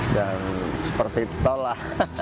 dan seperti tol lah